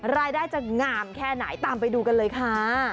รายได้จะงามแค่ไหนตามไปดูกันเลยค่ะ